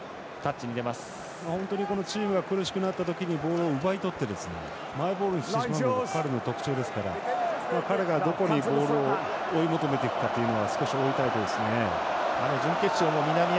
本当にチームが苦しくなった時にボールを奪い取ってマイボールにするのが彼の特徴ですから彼がどこにボールを追い求めていくかというのは追いたいですね。